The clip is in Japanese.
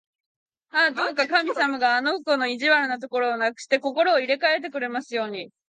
ああ、どうか神様があの子の意地悪なところをなくして、心を入れかえてくださいますように！